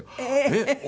「えっ？